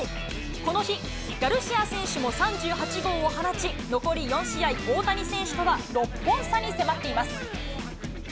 この日、ガルシア選手も３８号を放ち、残り４試合、大谷選手とは６本差に迫っています。